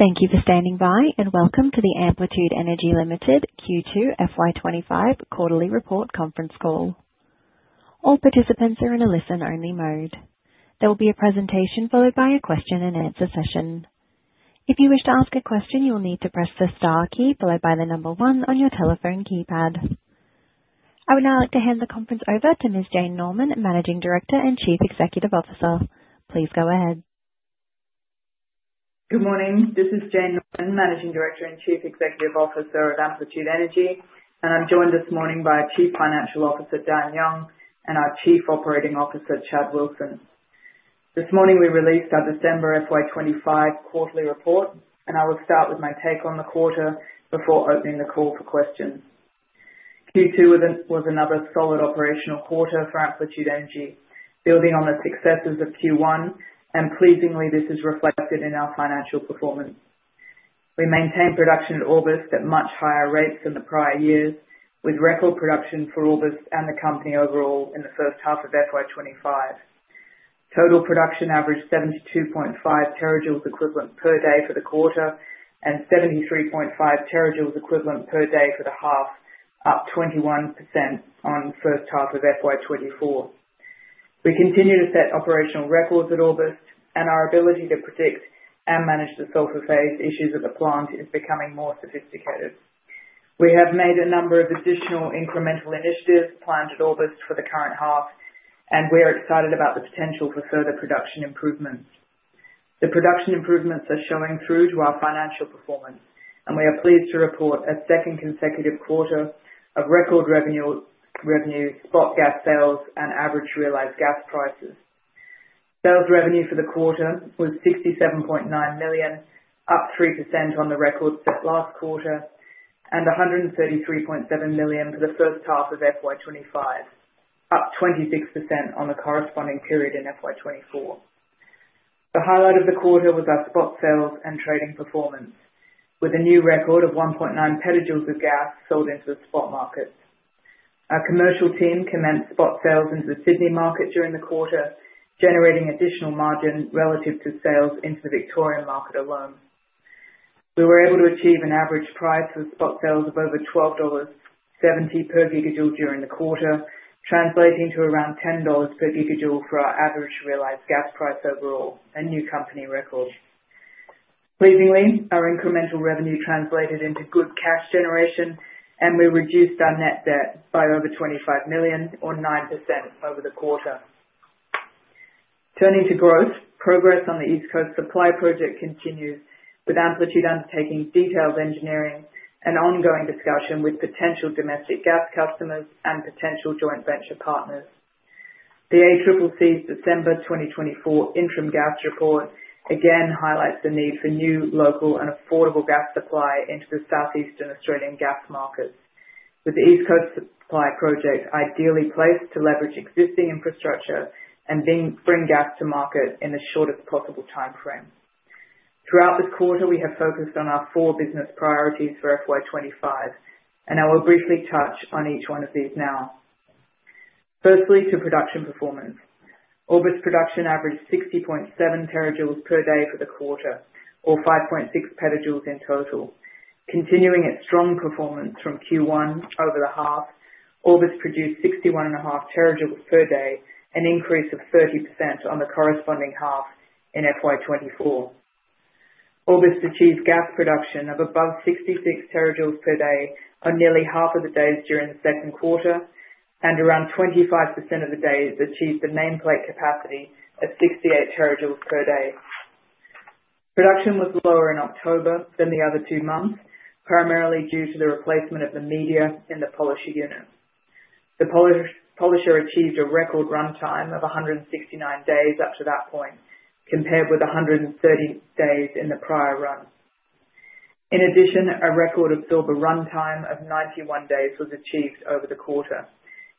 Thank you for standing by, and welcome to the Amplitude Energy Limited Q2 FY 2025 Quarterly Report Conference Call. All participants are in a listen-only mode. There will be a presentation followed by a question-and-answer session. If you wish to ask a question, you'll need to press the star key followed by the number one on your telephone keypad. I would now like to hand the conference over to Ms. Jane Norman, Managing Director and Chief Executive Officer. Please go ahead. Good morning. This is Jane Norman, Managing Director and Chief Executive Officer at Amplitude Energy, and I'm joined this morning by Chief Financial Officer Dan Young and our Chief Operating Officer Chad Wilson. This morning, we released our December FY 2025 Quarterly Report, and I will start with my take on the quarter before opening the call for questions. Q2 was another solid operational quarter for Amplitude Energy, building on the successes of Q1, and pleasingly, this is reflected in our financial performance. We maintained production in August at much higher rates than the prior years, with record production for August and the company overall in the first half of FY 2025. Total production averaged 72.5 terajoules equivalent per day for the quarter and 73.5 terajoules equivalent per day for the half, up 21% on the first half of FY 2024. We continue to set operational records at Orbost, and our ability to predict and manage the sulfur phase issues at the plant is becoming more sophisticated. We have made a number of additional incremental initiatives planned at Orbost for the current half, and we're excited about the potential for further production improvements. The production improvements are showing through to our financial performance, and we are pleased to report a second consecutive quarter of record revenue, spot gas sales, and average realized gas prices. Sales revenue for the quarter was 67.9 million, up 3% on the record set last quarter, and 133.7 million for the first half of FY 2025, up 26% on the corresponding period in FY 2024. The highlight of the quarter was our spot sales and trading performance, with a new record of 1.9 petajoules of gas sold into the spot market. Our commercial team commenced spot sales into the Sydney market during the quarter, generating additional margin relative to sales into the Victorian market alone. We were able to achieve an average price with spot sales of over 12.70 dollars per gigajoule during the quarter, translating to around 10 dollars per gigajoule for our average realized gas price overall, a new company record. Pleasingly, our incremental revenue translated into good cash generation, and we reduced our net debt by over 25 million, or 9% over the quarter. Turning to growth, progress on the East Coast Supply Project continues, with Amplitude undertaking detailed engineering and ongoing discussion with potential domestic gas customers and potential joint venture partners. The ACCC's December 2024 Interim Gas Report again highlights the need for new, local, and affordable gas supply into the southeastern Australian gas markets, with the East Coast Supply Project ideally placed to leverage existing infrastructure and bring gas to market in the shortest possible timeframe. Throughout this quarter, we have focused on our four business priorities for FY 2025, and I will briefly touch on each one of these now. Firstly, to production performance. Orbost's production averaged 60.7 terajoules per day for the quarter, or 5.6 petajoules in total. Continuing its strong performance from Q1 over the half, Orbost produced 61.5 terajoules per day, an increase of 30% on the corresponding half in FY 2024. Orbost achieved gas production of above 66 terajoules per day on nearly half of the days during the second quarter, and around 25% of the days achieved the nameplate capacity of 68 terajoules per day. Production was lower in October than the other two months, primarily due to the replacement of the media in the polisher unit. The polisher achieved a record runtime of 169 days up to that point, compared with 130 days in the prior run. In addition, a record absorber runtime of 91 days was achieved over the quarter,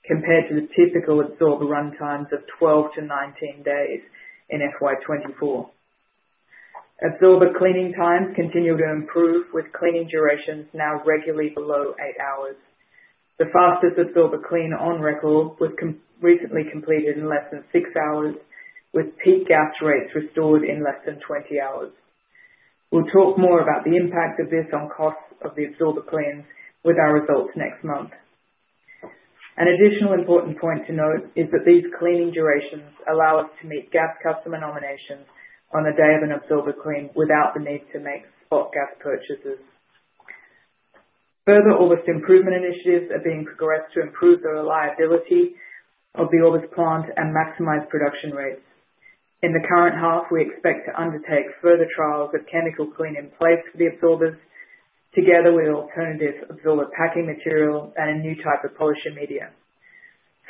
compared to the typical absorber runtimes of 12 to 19 days in FY 2024. Absorber cleaning times continue to improve, with cleaning durations now regularly below eight hours. The fastest absorber clean on record was recently completed in less than six hours, with peak gas rates restored in less than 20 hours. We'll talk more about the impact of this on costs of the absorber cleans with our results next month. An additional important point to note is that these cleaning durations allow us to meet gas customer nominations on the day of an absorber clean without the need to make spot gas purchases. Further Orbost improvement initiatives are being progressed to improve the reliability of the Orbost plant and maximize production rates. In the current half, we expect to undertake further trials of chemical clean in place for the absorbers, together with alternative absorber packing material and a new type of polisher media.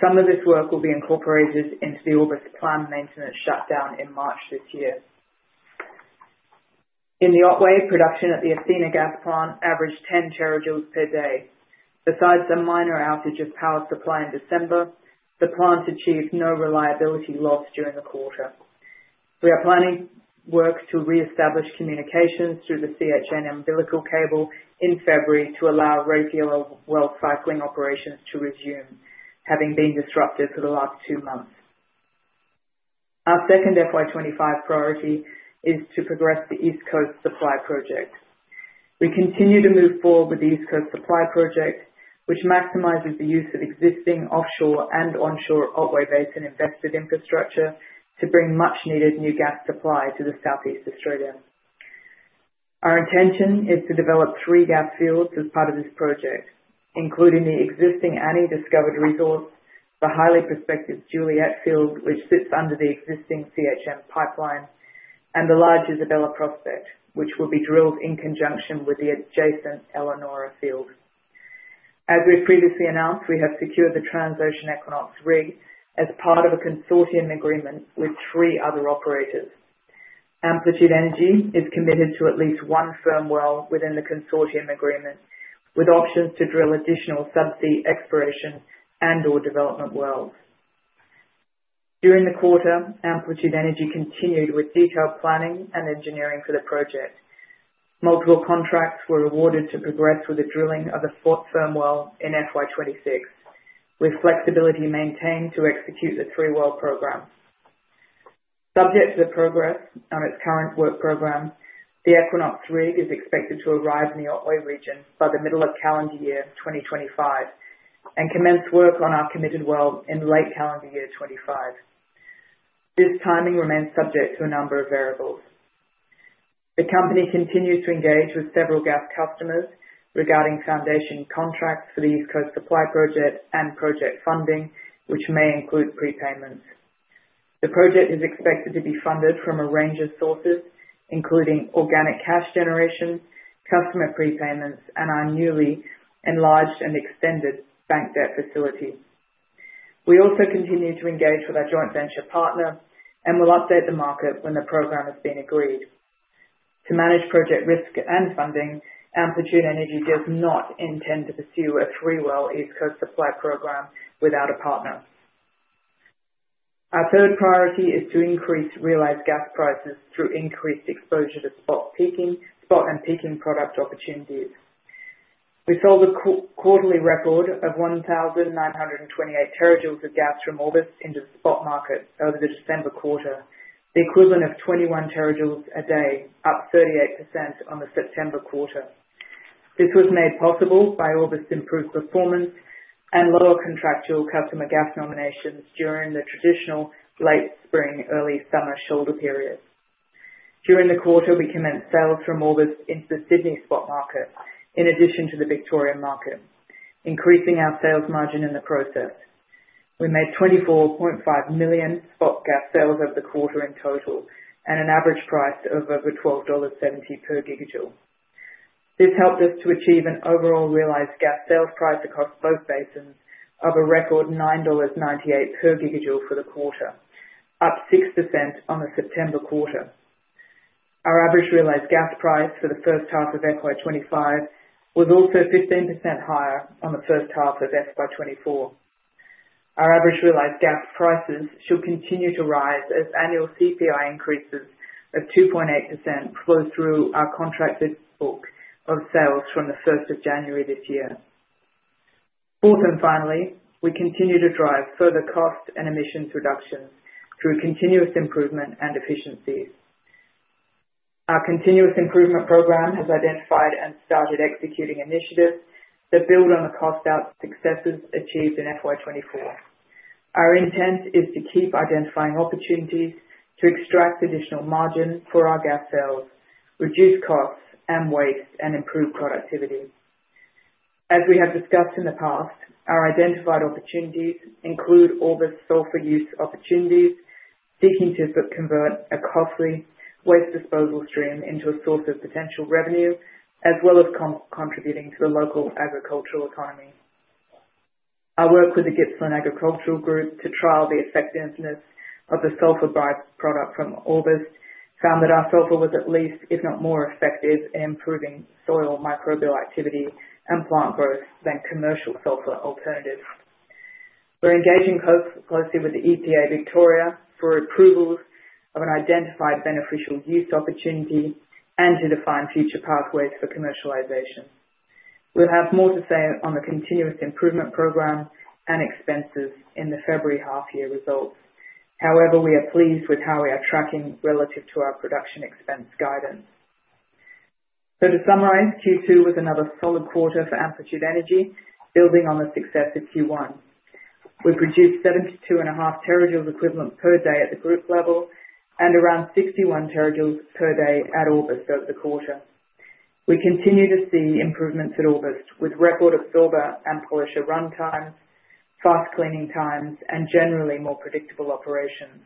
Some of this work will be incorporated into the Orbost plant maintenance shutdown in March this year. In the Otway, production at the Athena Gas Plant averaged 10 terajoules per day. Besides a minor outage of power supply in December, the plant achieved no reliability loss during the quarter. We are planning work to reestablish communications through the CHN umbilical cable in February to allow radio well cycling operations to resume, having been disrupted for the last two months. Our second FY 2025 priority is to progress the East Coast Supply Project. We continue to move forward with the East Coast Supply Project, which maximizes the use of existing offshore and onshore Otway Basin invested infrastructure to bring much-needed new gas supply to the southeast Australian. Our intention is to develop three gas fields as part of this project, including the existing Annie discovered resource, the highly prospective Juliet Field, which sits under the existing CHN pipeline, and the large Isabella Prospect, which will be drilled in conjunction with the adjacent Elanora Field. As we've previously announced, we have secured the Transocean Equinox rig as part of a consortium agreement with three other operators. Amplitude Energy is committed to at least one firm well within the consortium agreement, with options to drill additional subsea exploration and/or development wells. During the quarter, Amplitude Energy continued with detailed planning and engineering for the project. Multiple contracts were awarded to progress with the drilling of a firm well in FY 2026, with flexibility maintained to execute the three well program. Subject to the progress on its current work program, the Equinox rig is expected to arrive in the Otway region by the middle of calendar year 2025 and commence work on our committed well in late calendar year 2025. This timing remains subject to a number of variables. The company continues to engage with several gas customers regarding foundation contracts for the East Coast Supply Project and project funding, which may include prepayments. The project is expected to be funded from a range of sources, including organic cash generation, customer prepayments, and our newly enlarged and extended bank debt facility. We also continue to engage with our joint venture partner and will update the market when the program has been agreed. To manage project risk and funding, Amplitude Energy does not intend to pursue a three well East Coast Supply Program without a partner. Our third priority is to increase realized gas prices through increased exposure to spot and peaking product opportunities. We sold a quarterly record of 1,928 terajoules of gas from Orbost into the spot market over the December quarter, the equivalent of 21 terajoules a day, up 38% on the September quarter. This was made possible by Orbost's improved performance and lower contractual customer gas nominations during the traditional late spring/early summer shoulder period. During the quarter, we commenced sales from Orbost into the Sydney spot market, in addition to the Victorian market, increasing our sales margin in the process. We made 24.5 million spot gas sales over the quarter in total and an average price of over 12.70 dollars per gigajoule. This helped us to achieve an overall realized gas sales price across both basins of a record 9.98 dollars per gigajoule for the quarter, up 6% on the September quarter. Our average realized gas price for the first half of FY 2025 was also 15% higher on the first half of FY 2024. Our average realized gas prices should continue to rise as annual CPI increases of 2.8% flow through our contracted book of sales from the 1st of January this year. Fourth and finally, we continue to drive further cost and emissions reductions through continuous improvement and efficiencies. Our continuous improvement program has identified and started executing initiatives that build on the cost-out successes achieved in FY 2024. Our intent is to keep identifying opportunities to extract additional margin for our gas sales, reduce costs and waste, and improve productivity. As we have discussed in the past, our identified opportunities include Orbost's sulfur use opportunities, seeking to convert a costly waste disposal stream into a source of potential revenue, as well as contributing to the local agricultural economy. Our work with the Gibson Agricultural Group to trial the effectiveness of the sulfur byproduct from Orbost found that our sulfur was at least, if not more effective in improving soil microbial activity and plant growth than commercial sulfur alternatives. We're engaging closely with the EPA Victoria for approvals of an identified beneficial use opportunity and to define future pathways for commercialization. We'll have more to say on the continuous improvement program and expenses in the February half-year results. However, we are pleased with how we are tracking relative to our production expense guidance. So, to summarize, Q2 was another solid quarter for Amplitude Energy, building on the success of Q1. We produced 72.5 terajoules equivalent per day at the group level and around 61 terajoules per day at Orbost over the quarter. We continue to see improvements at Orbost with record absorber and polisher runtimes, fast cleaning times, and generally more predictable operations.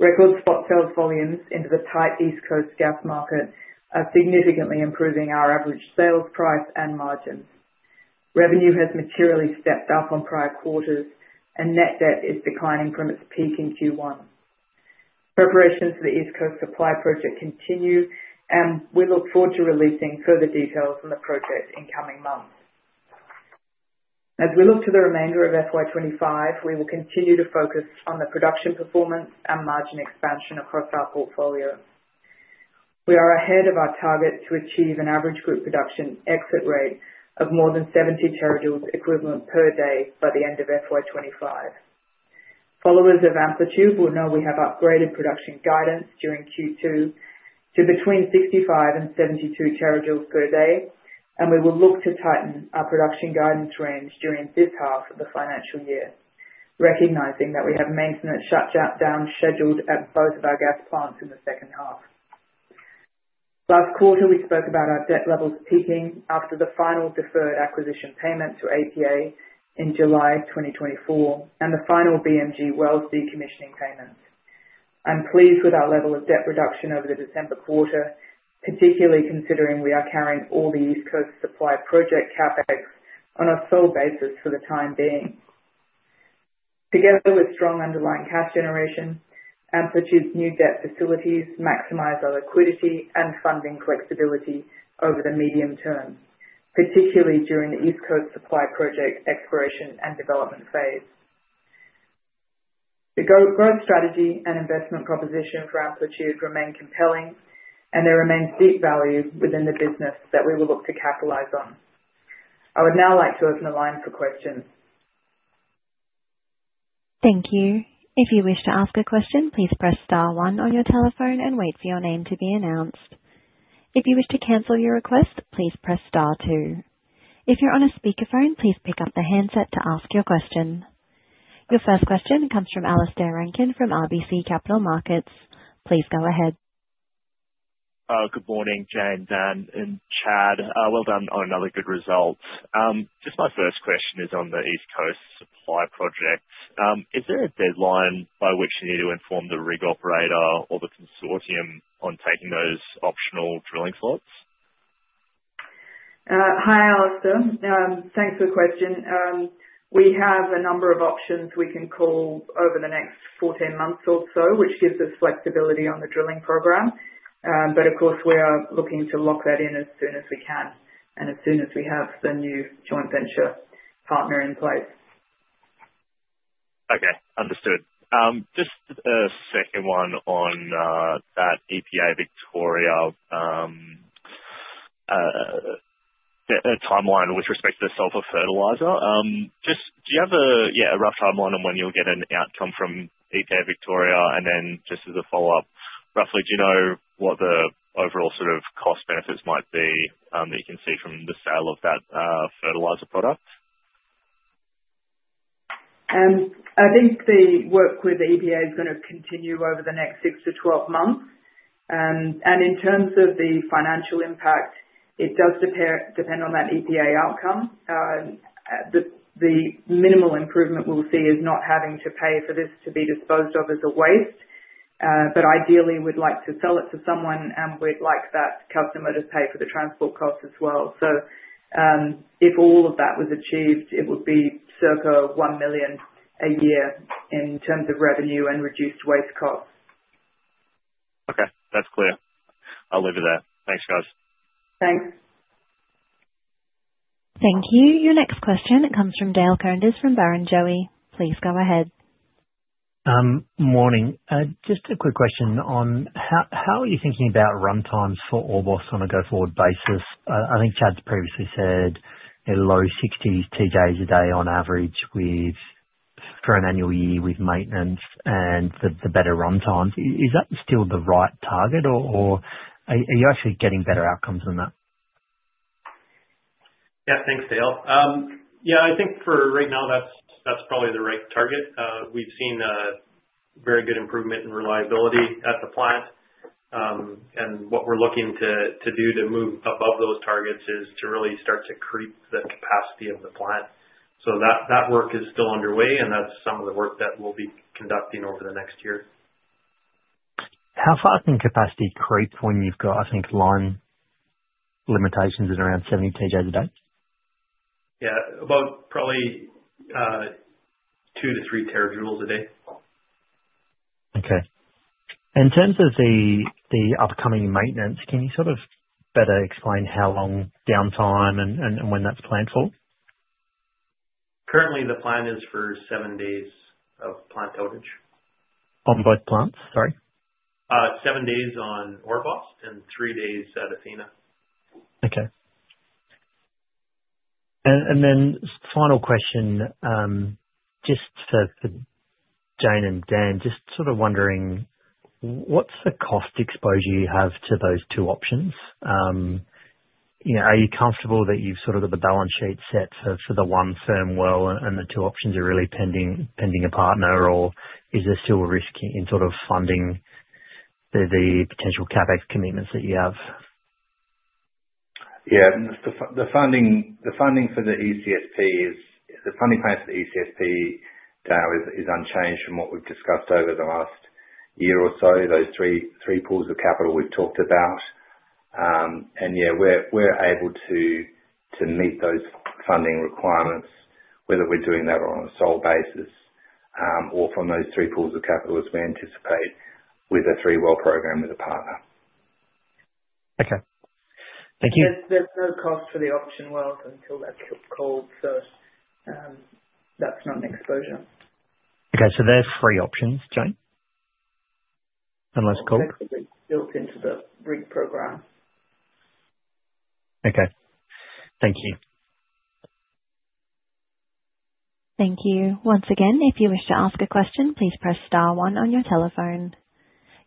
Record spot sales volumes into the tight East Coast gas market are significantly improving our average sales price and margins. Revenue has materially stepped up on prior quarters, and net debt is declining from its peak in Q1. Preparations for the East Coast Supply Project continue, and we look forward to releasing further details on the project in coming months. As we look to the remainder of FY 2025, we will continue to focus on the production performance and margin expansion across our portfolio. We are ahead of our target to achieve an average group production exit rate of more than 70 terajoules equivalent per day by the end of FY 2025. Followers of Amplitude will know we have upgraded production guidance during Q2 to between 65 terajoules and 72 terajoules per day, and we will look to tighten our production guidance range during this half of the financial year, recognizing that we have maintenance shutdowns scheduled at both of our gas plants in the second half. Last quarter, we spoke about our debt levels peaking after the final deferred acquisition payment to APA in July 2024 and the final BMG wells decommissioning payments. I'm pleased with our level of debt reduction over the December quarter, particularly considering we are carrying all the East Coast Supply Project CapEx on a sole basis for the time being. Together with strong underlying cash generation, Amplitude's new debt facilities maximize our liquidity and funding flexibility over the medium term, particularly during the East Coast Supply Project exploration and development phase. The growth strategy and investment proposition for Amplitude remain compelling, and there remains deep value within the business that we will look to capitalize on. I would now like to open the line for questions. Thank you. If you wish to ask a question, please press star one on your telephone and wait for your name to be announced. If you wish to cancel your request, please press star two. If you're on a speakerphone, please pick up the handset to ask your question. Your first question comes from Alistair Rankin from RBC Capital Markets. Please go ahead. Good morning, Jane, Dan, and Chad. Well done on another good result. Just my first question is on the East Coast Supply Project. Is there a deadline by which you need to inform the rig operator or the consortium on taking those optional drilling slots? Hi, Alistair. Thanks for the question. We have a number of options we can call over the next 14 months or so, which gives us flexibility on the drilling program. But of course, we are looking to lock that in as soon as we can and as soon as we have the new joint venture partner in place. Okay. Understood. Just a second, one on that EPA Victoria timeline with respect to the sulfur fertilizer. Just do you have a, yeah, a rough timeline on when you'll get an outcome from EPA Victoria? And then just as a follow-up, roughly, do you know what the overall sort of cost benefits might be that you can see from the sale of that fertilizer product? I think the work with the EPA is going to continue over the next six to 12 months. And in terms of the financial impact, it does depend on that EPA outcome. The minimal improvement we'll see is not having to pay for this to be disposed of as a waste, but ideally, we'd like to sell it to someone, and we'd like that customer to pay for the transport cost as well. So if all of that was achieved, it would be circa 1 million a year in terms of revenue and reduced waste costs. Okay. That's clear. I'll leave it there. Thanks, guys. Thanks. Thank you. Your next question, it comes from Dale Koenders from Barrenjoey. Please go ahead. Morning. Just a quick question on how are you thinking about runtimes for Orbost on a go forward basis? I think Chad's previously said low 60 TJs a day on average for an annual year with maintenance and the better runtimes. Is that still the right target, or are you actually getting better outcomes than that? Yeah. Thanks, Dale. Yeah, I think for right now, that's probably the right target. We've seen very good improvement in reliability at the plant, and what we're looking to do to move above those targets is to really start to creep the capacity of the plant. So that work is still underway, and that's some of the work that we'll be conducting over the next year. How far can capacity creep when you've got, I think, line limitations at around 70 TJs a day? Yeah. About probably 2 TJ-3 TJ a day. Okay. In terms of the upcoming maintenance, can you sort of better explain how long downtime and when that's planned for? Currently, the plan is for seven days of plant outage. On both plants, sorry? Seven days on Orbost and three days at Athena. Okay. And then final question, just for Jane and Dan, just sort of wondering, what's the cost exposure you have to those two options? Are you comfortable that you've sort of got the balance sheet set for the one firm well and the two options are really pending a partner, or is there still a risk in sort of funding the potential CapEx commitments that you have? Yeah. The funding for the ECSP, the funding plan for the ECSP now is unchanged from what we've discussed over the last year or so, those three pools of capital we've talked about. And yeah, we're able to meet those funding requirements, whether we're doing that on a sole basis or from those three pools of capital as we anticipate with a three well program with a partner. Okay. Thank you. There's no cost for the option wells until that call, so that's not an exposure. Okay. So they're free options, Jane? Unless called? That's built into the rig program. Okay. Thank you. Thank you. Once again, if you wish to ask a question, please press star one on your telephone.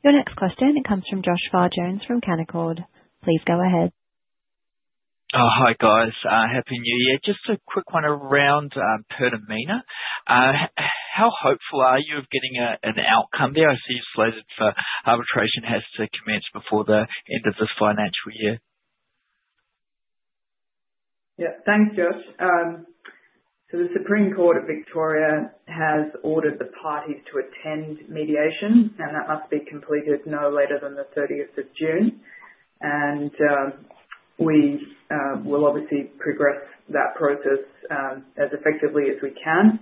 Your next question, it comes from Josh Farr-Jones from Canaccord Genuity. Please go ahead. Hi, guys. Happy New Year. Just a quick one around Pertamina. How hopeful are you of getting an outcome there? I see you've stated that arbitration has to commence before the end of this financial year. Yeah. Thanks, Josh. So the Supreme Court of Victoria has ordered the parties to attend mediation, and that must be completed no later than the 30th of June. And we will obviously progress that process as effectively as we can,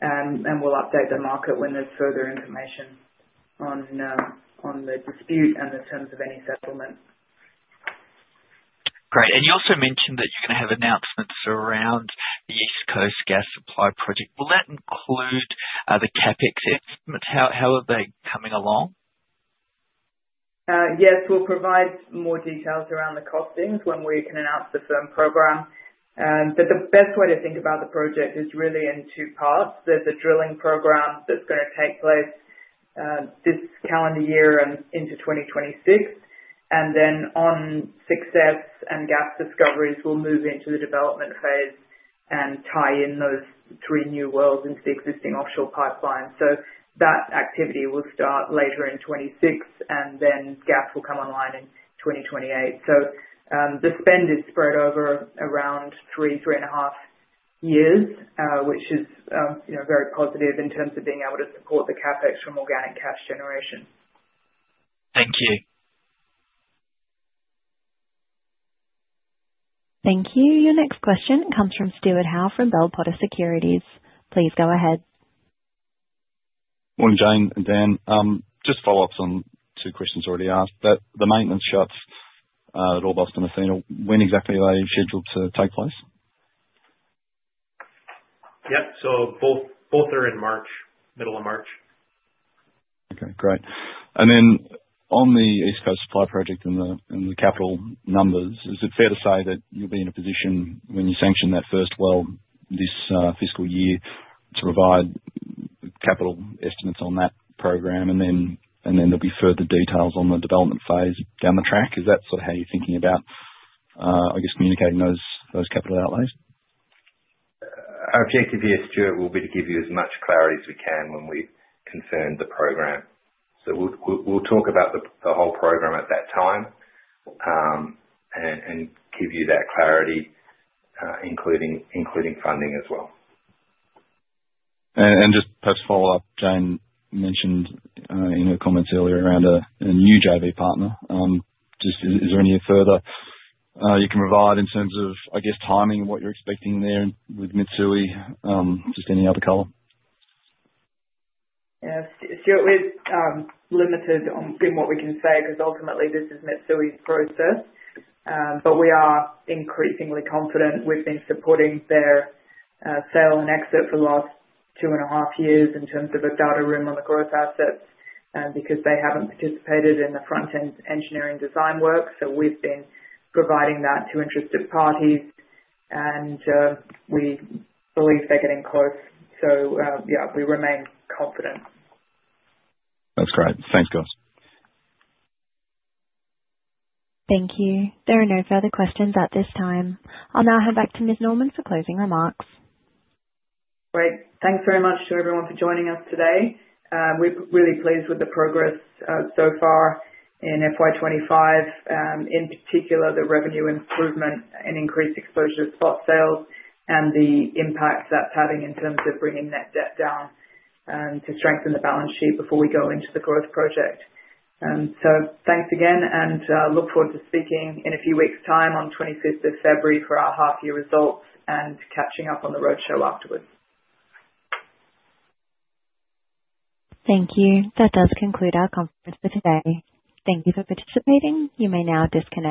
and we'll update the market when there's further information on the dispute and the terms of any settlement. Great. And you also mentioned that you're going to have announcements around the East Coast Supply Project. Will that include the CapEx estimates? How are they coming along? Yes. We'll provide more details around the costings when we can announce the firm program. But the best way to think about the project is really in two parts. There's a drilling program that's going to take place this calendar year and into 2026. And then on success and gas discoveries, we'll move into the development phase and tie in those three new wells into the existing offshore pipeline. So that activity will start later in 2026, and then gas will come online in 2028. So the spend is spread over around three, three and a half years, which is very positive in terms of being able to support the CapEx from organic cash generation. Thank you. Thank you. Your next question, it comes from Stuart Howe from Bell Potter Securities. Please go ahead. Morning, Jane and Dan. Just follow-ups on two questions already asked. The maintenance shots at Orbost and Athena, when exactly are they scheduled to take place? Yep. So both are in March, middle of March. Okay. Great. And then on the East Coast Supply Project and the capital numbers, is it fair to say that you'll be in a position when you sanction that first well this fiscal year to provide capital estimates on that program, and then there'll be further details on the development phase down the track? Is that sort of how you're thinking about, I guess, communicating those capital outlays? Our objective here, Stuart, will be to give you as much clarity as we can when we confirm the program. So we'll talk about the whole program at that time and give you that clarity, including funding as well. And just perhaps follow up. Jane mentioned in her comments earlier around a new JV partner. Just, is there any further you can provide in terms of, I guess, timing and what you're expecting there with Mitsui? Just any other comment? Yeah. Stuart, we're limited in what we can say because ultimately, this is Mitsui's process. But we are increasingly confident. We've been supporting their sale and exit for the last two and a half years in terms of a data room on the growth assets because they haven't participated in the front-end engineering design work. So we've been providing that to interested parties, and we believe they're getting close. So yeah, we remain confident. That's great. Thanks, guys. Thank you. There are no further questions at this time. I'll now hand back to Ms. Norman for closing remarks. Great. Thanks very much to everyone for joining us today. We're really pleased with the progress so far in FY 2025, in particular the revenue improvement and increased exposure to spot sales and the impact that's having in terms of bringing net debt down to strengthen the balance sheet before we go into the growth project. So thanks again, and look forward to speaking in a few weeks' time on the 25th of February for our half-year results and catching up on the roadshow afterwards. Thank you. That does conclude our conference for today. Thank you for participating. You may now disconnect.